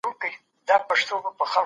که حضوري زده کړه وسي.